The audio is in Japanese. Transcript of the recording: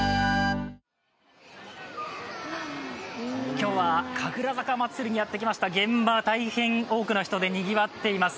今日は神楽坂まつりにやってきました、現場は大変多くの人でにぎわっています。